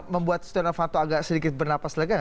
membuat setia novanto agak sedikit bernafas lega